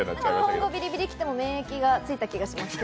今後、ビリビリきても免疫がついた気がします。